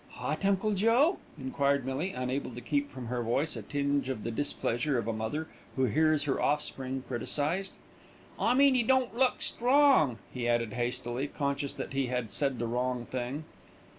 "Hot, Uncle Joe?" enquired Millie, unable to keep from her voice a tinge of the displeasure of a mother who hears her offspring criticised. "I mean 'e don't look strong," he added hastily, conscious that he had said the wrong thing.